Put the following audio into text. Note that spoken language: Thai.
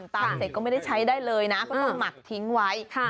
ตั้งเสร็จก็ไม่ได้ใช้ได้เลยนะก็ต้องหมักทิ้งไว้